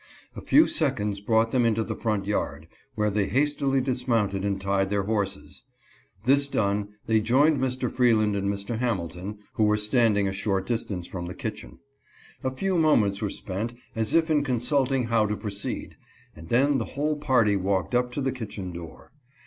A few seconds brought them into the front yard, where they hastily dismounted and tied their horses. This done, they joined Mr. Freeland and Mr. Hamilton, who were stand ing a short distance from the kitchen. A few moments were spent as if in consulting how to proceed, and then the whole party walked up to the kitchen door.